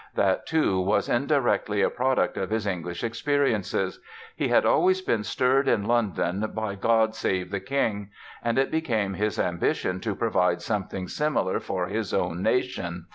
That, too, was indirectly a product of his English experiences! He had always been stirred in London by "God Save the King" and it became his ambition to provide something similar for his own nation.